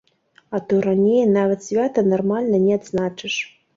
А то раней нават свята нармальна не адзначыш.